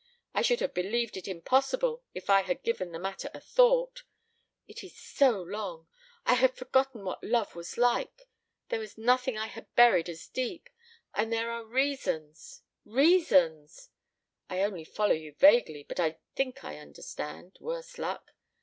I should have believed it impossible if I had given the matter a thought It is so long! I had forgotten what love was like. There was nothing I had buried as deep. And there are reasons reasons!" "I only follow you vaguely. But I think I understand worse luck!